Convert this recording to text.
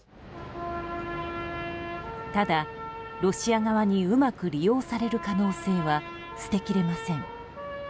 ただ、ロシア側にうまく利用される可能性は捨てきれません。